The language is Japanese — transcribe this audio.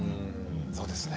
そうですね。